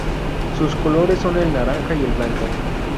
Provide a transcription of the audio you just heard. Sus colores son el naranja y el blanco.